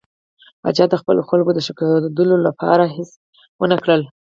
پاچا د خپلو خلکو د ښه کېدو لپاره هېڅ ونه کړل.